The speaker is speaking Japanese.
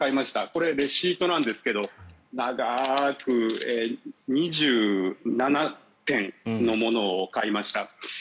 これ、レシートなんですけど長く２７点のものを買いました。